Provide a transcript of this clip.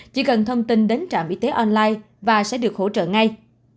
chỉ cần thông tin đến trạm y tế online và sẽ được hỗ trợ ngay